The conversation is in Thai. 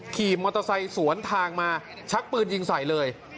ขี่มอเตอร์ไซค์สวนทางมาชักปืนยิงใส่เลย